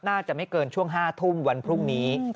น่าจะไม่เกินช่วง๕ทุ่มวันพรุ่งนี้